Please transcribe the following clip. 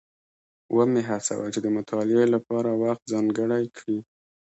ومې هڅول چې د مطالعې لپاره وخت ځانګړی کړي.